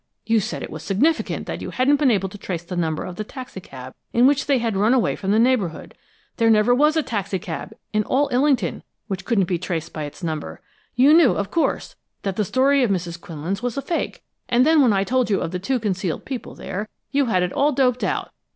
You said it was significant that you hadn't been able to trace the number of the taxicab in which they had run away from the neighborhood! There never was a taxicab in all Illington which couldn't be traced by its number! You knew, of course, that that story of Mrs. Quinlan's was a fake, and then when I told you of the two concealed people there, you had it all doped out!